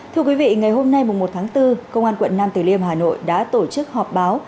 thưa quý vị ngày hôm nay một tháng bốn công an quận nam tử liêm hà nội đã tổ chức họp báo